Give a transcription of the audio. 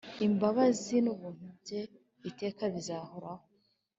imbabazi nubuntu bye iteka bizahoraho